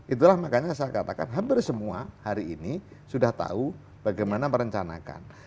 itulah makanya saya katakan hampir semua hari ini sudah tahu bagaimana merencanakan